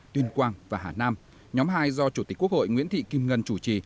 tuyên quang và hà nam nhóm hai do chủ tịch quốc hội nguyễn thị kim ngân chủ trì